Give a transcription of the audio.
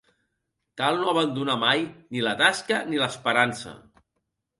Cal no abandonar mai ni la tasca ni l'esperança.